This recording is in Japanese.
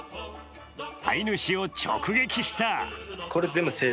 飼い主を直撃した。